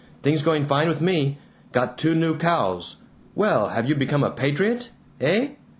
Things going fine with me; got two new cows. Well, have you become a patriot? Eh?